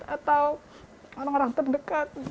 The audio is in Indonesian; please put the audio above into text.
atau orang orang terdekat